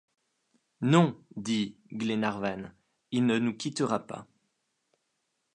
Non ! dit Glenarvan, il ne nous quittera pas.